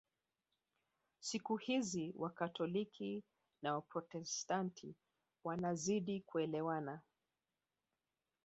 Siku hizi Wakatoliki na Waprotestanti wanazidi kuelewana